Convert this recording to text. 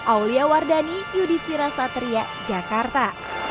aulia wardhani yudhistira sateria jakarta